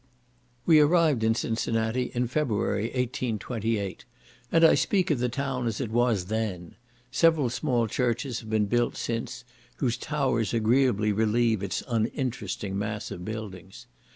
We arrived in Cincinnati in February, 1828, and I speak of the town as it was then; several small churches have been built since, whose towers agreeably relieve its uninteresting mass of buildings.